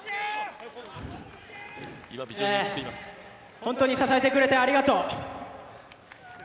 本当に支えてくれてありがとう。